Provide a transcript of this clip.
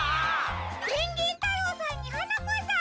ペンギンたろうさんにはなこさん！